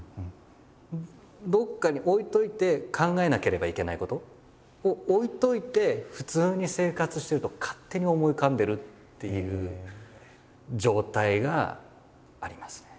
どっかに置いといて考えなければいけないことを置いといて普通に生活してると勝手に思い浮かんでるっていう状態がありますね。